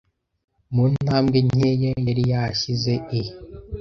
mu ntambwe nkeya yari yashyize i